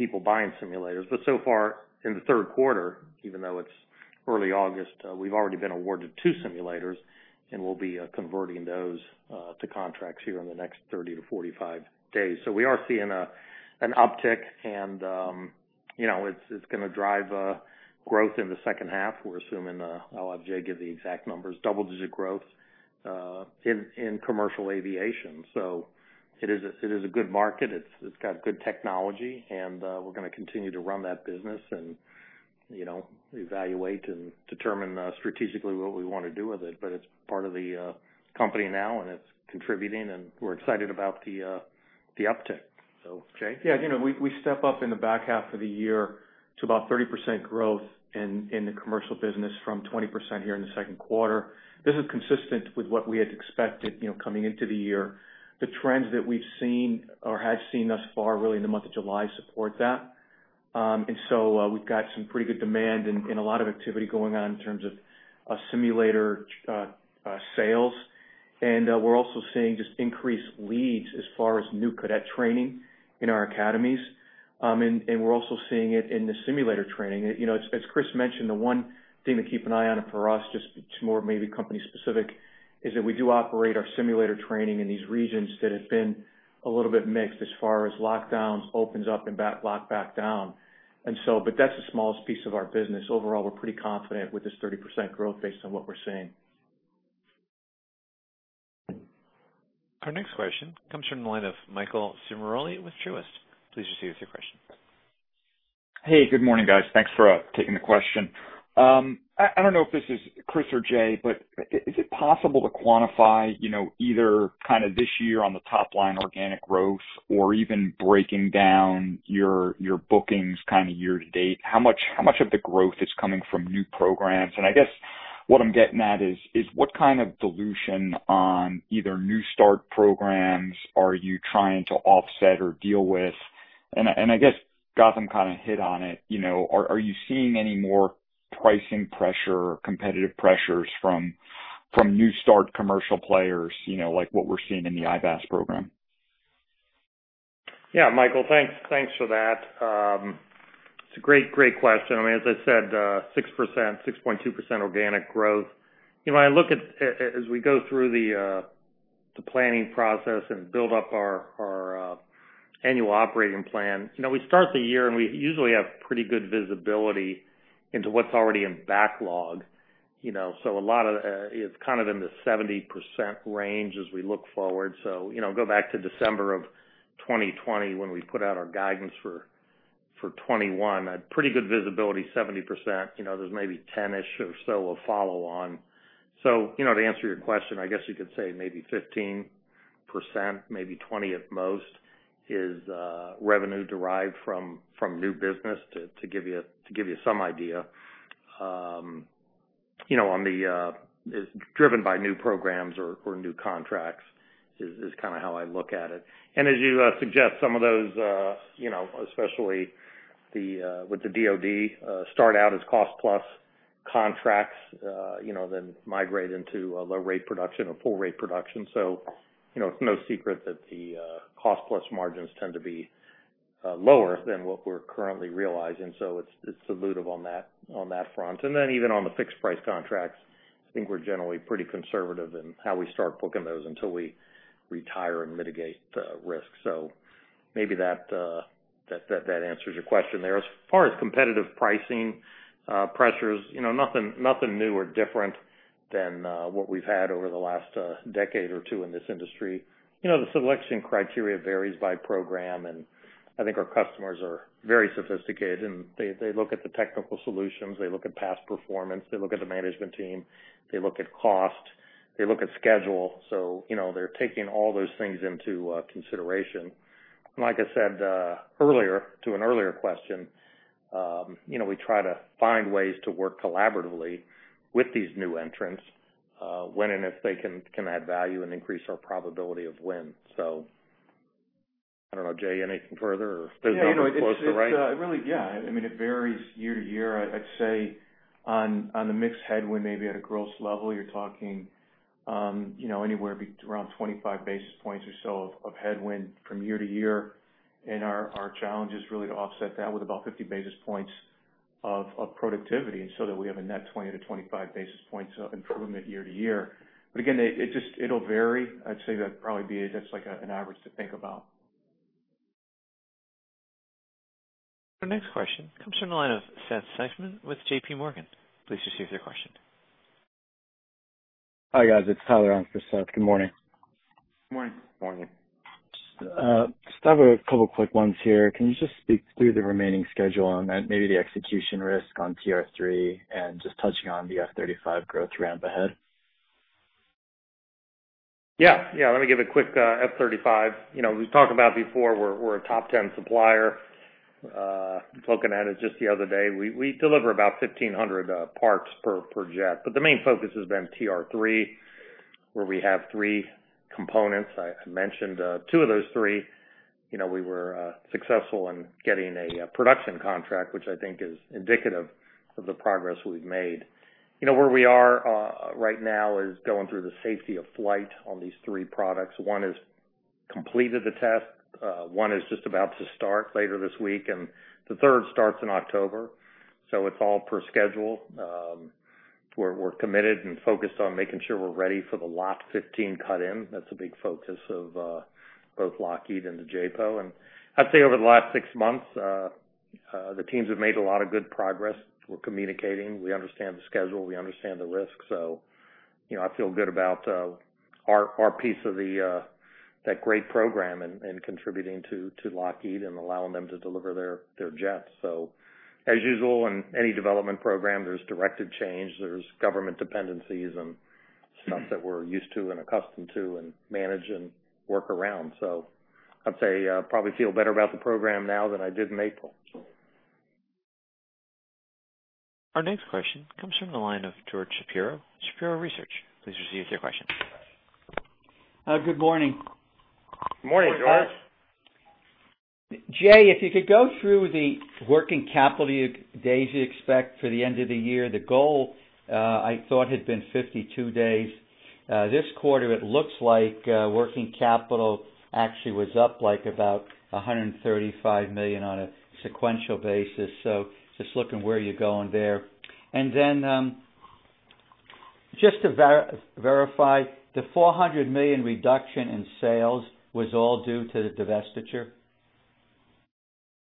people buying simulators. So far in the third quarter, even though it's early August, we've already been awarded 2 simulators, and we'll be converting those to contracts here in the next 30 to 45 days. We are seeing an uptick, and it's going to drive growth in the second half. We're assuming, I'll let Jay give the exact numbers, double digit growth, in commercial aviation. It is a good market. It's got good technology, and we're going to continue to run that business and evaluate and determine strategically what we want to do with it. It's part of the company now, and it's contributing, and we're excited about the uptick. Jay? Yeah, we step up in the back half of the year to about 30% growth in the commercial business from 20% here in the second quarter. This is consistent with what we had expected coming into the year. The trends that we've seen or had seen thus far, really in the month of July, support that. we've got some pretty good demand and a lot of activity going on in terms of simulator sales. we're also seeing just increased leads as far as new cadet training in our academies. we're also seeing it in the simulator training. As Chris mentioned, the one thing to keep an eye on for us, just it's more maybe company specific, is that we do operate our simulator training in these regions that have been a little bit mixed as far as lockdowns, opens up, and lock back down. That's the smallest piece of our business. Overall, we're pretty confident with this 30% growth based on what we're seeing. Our next question comes from the line of Michael Ciarmoli with Truist. Please proceed with your question. Hey, good morning, guys. Thanks for taking the question. I don't know if this is Chris or Jay, but is it possible to quantify, either kind of this year on the top line organic growth or even breaking down your bookings kind of year to date, how much of the growth is coming from new programs? I guess what I'm getting at is, what kind of dilution on either new start programs are you trying to offset or deal with? I guess Gautam kind of hit on it. Are you seeing any more pricing pressure or competitive pressures from new start commercial players, like what we're seeing in the IvAS program? Yeah. Michael, thanks for that. It's a great question. As I said, 6%, 6.2% organic growth. As we go through the planning process and build up our annual operating plan, we start the year, and we usually have pretty good visibility into what's already in backlog. A lot of it is kind of in the 70% range as we look forward. Go back to December of 2020, when we put out our guidance for 2021, I had pretty good visibility, 70%. There's maybe 10-ish or so of follow on. To answer your question, I guess you could say maybe 15%, maybe 20 at most, is revenue derived from new business, to give you some idea. It's driven by new programs or new contracts, is kind of how I look at it. As you suggest, some of those, especially with the DoD, start out as cost-plus contracts, then migrate into a low rate production or full rate production. It's no secret that the cost-plus margins tend to be lower than what we're currently realizing. It's dilutive on that front. Even on the fixed price contracts, I think we're generally pretty conservative in how we start booking those until we retire and mitigate risk. Maybe that answers your question there. As far as competitive pricing pressures, nothing new or different than what we've had over the last decade or two in this industry. The selection criteria varies by program, and I think our customers are very sophisticated, and they look at the technical solutions. They look at past performance. They look at the management team. They look at cost. They look at schedule. They're taking all those things into consideration. Like I said to an earlier question, we try to find ways to work collaboratively with these new entrants, when and if they can add value and increase our probability of win. I don't know, Jay, anything further, or does that look close to right? Yeah, it varies year to year. I'd say on the mixed headwind, maybe at a gross level, you're talking anywhere around 25 basis points or so of headwind from year to year. Our challenge is really to offset that with about 50 basis points of productivity, and so that we have a net 20 to 25 basis points of improvement year to year. Again, it'll vary. I'd say that'd probably be just, like, an average to think about. Our next question comes from the line of Seth Seifman with J.P. Morgan. Please proceed with your question. Hi, guys. It's Tyler on for Seth. Good morning. Morning. Morning. Just have a couple quick ones here. Can you just speak through the remaining schedule and maybe the execution risk on TR-3, and just touching on the F-35 growth ramp ahead? Yeah. Let me give a quick F-35. We've talked about before, we're a top 10 supplier. Spoken at it just the other day. We deliver about 1,500 parts per jet. The main focus has been TR-3, where we have three components. I mentioned two of those three. We were successful in getting a production contract, which I think is indicative of the progress we've made. Where we are right now is going through the safety of flight on these three products. 1 has completed the test. 1 is just about to start later this week, and the third starts in October. It's all per schedule. We're committed and focused on making sure we're ready for the lot 15 cut-in. That's a big focus of both Lockheed and the JPO. I'd say over the last 6 months, the teams have made a lot of good progress. We're communicating. We understand the schedule. We understand the risks. I feel good about our piece of that great program and contributing to Lockheed and allowing them to deliver their jets. As usual, in any development program, there's directed change, there's government dependencies, and stuff that we're used to and accustomed to and manage and work around. I'd say I probably feel better about the program now than I did in April. Our next question comes from the line of George Shapiro Research. Please proceed with your question. Good morning. Morning, George. Jay, if you could go through the working capital days you expect for the end of the year. The goal, I thought had been 52 days. This quarter, it looks like working capital actually was up about $135 million on a sequential basis. Just looking where you're going there. Just to verify, the $400 million reduction in sales was all due to the divestiture?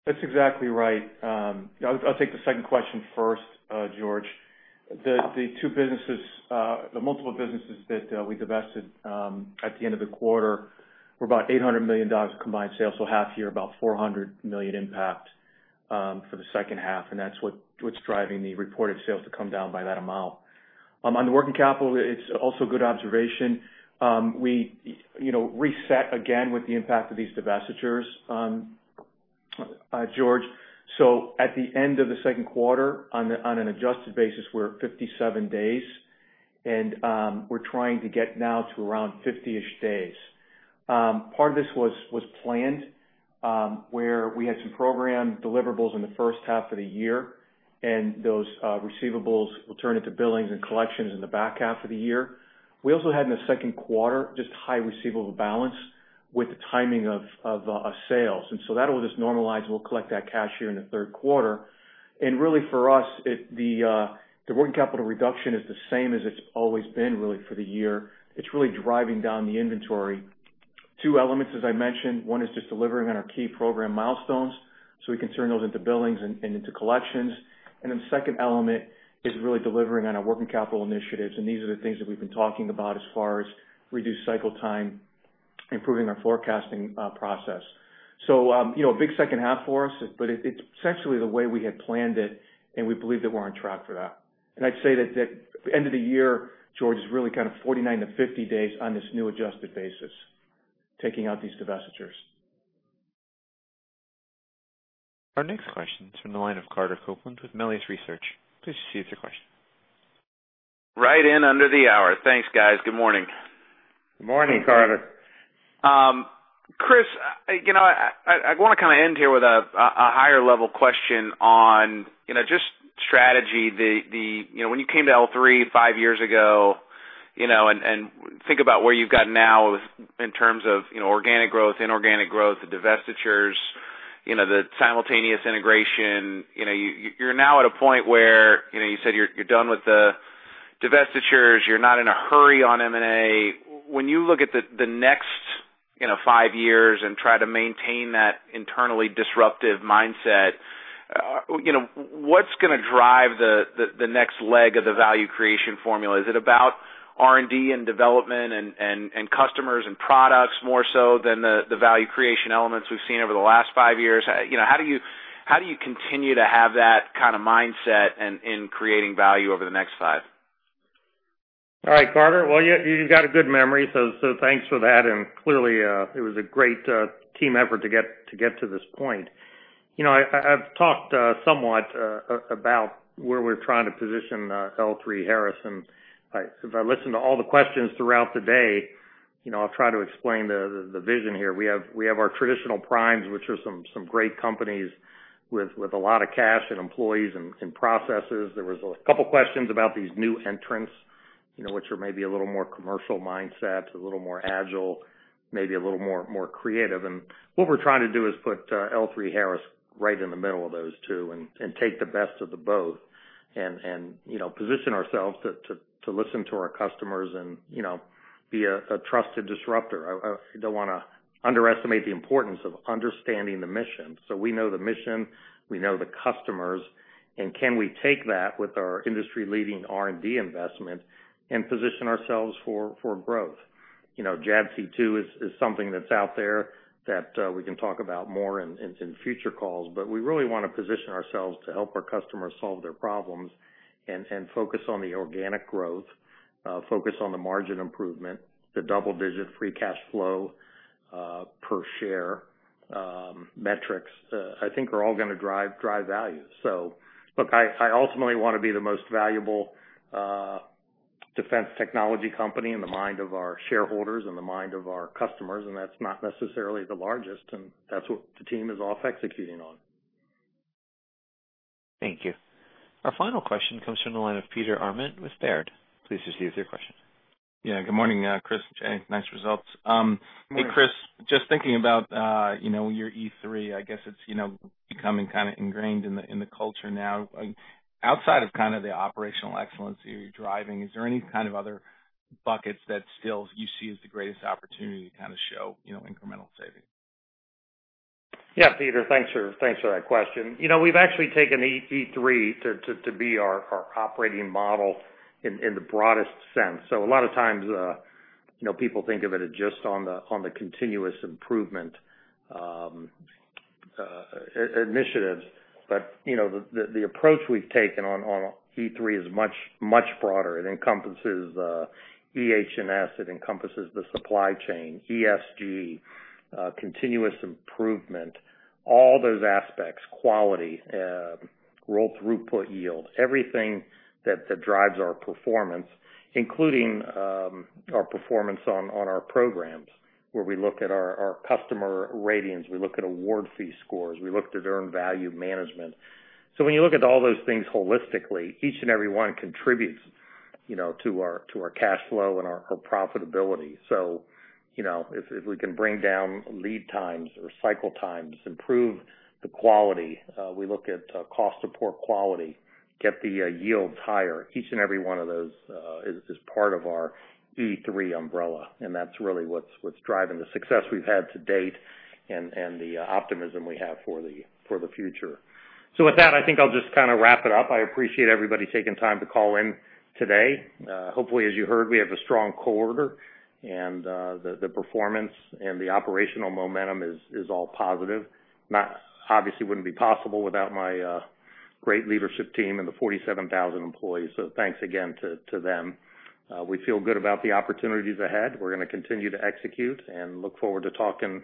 That's exactly right. I'll take the second question first, George. The multiple businesses that we divested at the end of the quarter were about $800 million of combined sales, so half year, about $400 million impact for the second half, and that's what's driving the reported sales to come down by that amount. On the working capital, it's also a good observation. We reset again with the impact of these divestitures, George. At the end of the second quarter, on an adjusted basis, we're at 57 days, and we're trying to get now to around 50-ish days. Part of this was planned, where we had some program deliverables in the first half of the year, and those receivables will turn into billings and collections in the back half of the year. We also had, in the second quarter, just high receivable balance with the timing of sales. That will just normalize, and we'll collect that cash here in the third quarter. For us, the working capital reduction is the same as it's always been, really, for the year. It's really driving down the inventory. Two elements, as I mentioned. One is just delivering on our key program milestones, so we can turn those into billings and into collections. The second element is really delivering on our working capital initiatives, and these are the things that we've been talking about as far as reduced cycle time, improving our forecasting process. A big second half for us, but it's essentially the way we had planned it, and we believe that we're on track for that. I'd say that the end of the year, George, is really kind of 49-50 days on this new adjusted basis, taking out these divestitures. Our next question is from the line of Carter Copeland with Melius Research. Please proceed with your question. Right in under the hour. Thanks, guys. Good morning. Good morning, Carter. Chris, I want to kind of end here with a higher level question on just strategy. When you came to L3 5 years ago, and think about where you've gotten now in terms of organic growth, inorganic growth, the divestitures, the simultaneous integration. You're now at a point where you said you're done with the divestitures. You're not in a hurry on M&A. When you look at the next five years and try to maintain that internally disruptive mindset, what's going to drive the next leg of the value creation formula? Is it about R&D and development and customers and products, more so than the value creation elements we've seen over the last 5 years? How do you continue to have that kind of mindset in creating value over the next five? All right, Carter. Well, you've got a good memory, so thanks for that. Clearly, it was a great team effort to get to this point. I've talked somewhat about where we're trying to position L3Harris, and if I listen to all the questions throughout the day, I'll try to explain the vision here. We have our traditional primes, which are some great companies with a lot of cash and employees and processes. There was a couple questions about these new entrants, which are maybe a little more commercial mindset, a little more agile, maybe a little more creative. What we're trying to do is put L3Harris right in the middle of those two and take the best of the both and position ourselves to listen to our customers and be a trusted disruptor. I don't want to underestimate the importance of understanding the mission. We know the mission, we know the customers, and can we take that with our industry-leading R&D investment and position ourselves for growth? JADC2 is something that's out there that we can talk about more in future calls. We really want to position ourselves to help our customers solve their problems and focus on the organic growth, focus on the margin improvement, the double-digit free cash flow per share metrics, I think are all going to drive value. Look, I ultimately want to be the most valuable defense technology company in the mind of our shareholders and the mind of our customers, and that's not necessarily the largest, and that's what the team is off executing on. Thank you. Our final question comes from the line of Peter Arment with Baird. Please just proceed with your question. Yeah, good morning, Chris, Jay. Nice results. Morning. Hey, Chris, just thinking about your E3, I guess it's becoming kind of ingrained in the culture now. Outside of kind of the operational excellence you're driving, is there any kind of other buckets that still you see as the greatest opportunity to kind of show incremental savings? Yeah, Peter, thanks for that question. We've actually taken E3 to be our operating model in the broadest sense. A lot of times, people think of it as just on the continuous improvement initiatives. The approach we've taken on E3 is much broader. It encompasses EH&S, it encompasses the supply chain, ESG, continuous improvement, all those aspects, quality, rolled throughput yield, everything that drives our performance, including our performance on our programs, where we look at our customer ratings, we look at award fee scores, we look at earned value management. When you look at all those things holistically, each and every one contributes to our cash flow and our profitability. If we can bring down lead times or cycle times, improve the quality, we look at cost of poor quality, get the yields higher. Each and every one of those is part of our E3 umbrella. That's really what's driving the success we've had to date and the optimism we have for the future. With that, I think I'll just kind of wrap it up. I appreciate everybody taking time to call in today. Hopefully, as you heard, we have a strong quarter. The performance and the operational momentum is all positive. Obviously wouldn't be possible without my great leadership team and the 47,000 employees. Thanks again to them. We feel good about the opportunities ahead. We're going to continue to execute and look forward to talking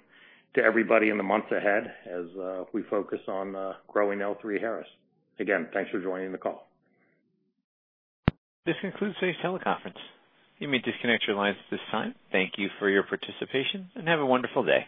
to everybody in the months ahead as we focus on growing L3Harris. Again, thanks for joining the call. This concludes today's teleconference. You may disconnect your lines at this time. Thank you for your participation, and have a wonderful day.